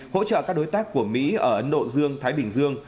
hỗ trợ các đối tác của mỹ ở ấn độ dương thái bình dương